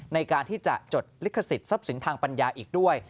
ในการที่จะจดลิขสิทธิ์ทรัพย์สินทางปัญญาอีกด้วย